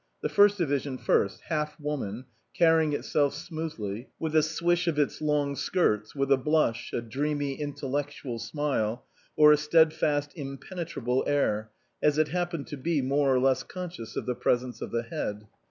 The First Divi sion first, half woman, carrying itself smoothly, with a swish of its long skirts, with a blush, a dreamy intellectual smile, or a steadfast im penetrable air, as it happened to be more or less conscious of the presence of the Head.